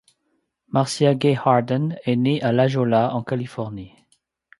Marcia Gay Harden est née à La Jolla, en Californie.